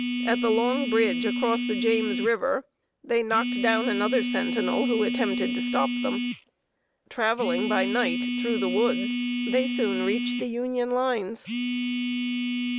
At the long bridge across the James River they knocked down another sentinel, who attempted to stop them. Traveling by night through the woods, they soon reached the Union lines.